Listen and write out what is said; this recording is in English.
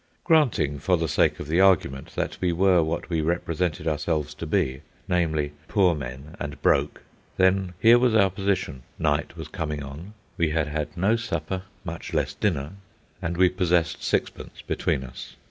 Granting, for the sake of the argument, that we were what we represented ourselves to be—namely, poor men and broke—then here was our position: night was coming on; we had had no supper, much less dinner; and we possessed sixpence between us.